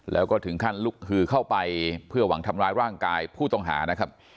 แล้วก็ถึงขั้นลุกฮือเข้าไปเพื่อหวังทำร้ายร่างกายผู้ต้องหานะครับ